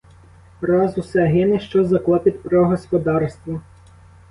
Раз усе гине, що за клопіт про господарство?